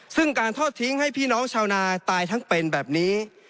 ซึ่งการทอดทิ้งให้พี่น้องชาวนาตายทั้งเป็นแบบนี้